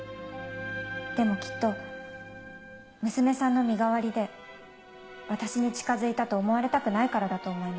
でもきっと娘さんの身代わりで私に近づいたと思われたくないからだと思います。